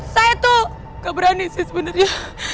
saya tuh gak berani sih sebenarnya